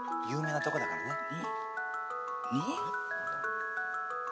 有名なとこだからね。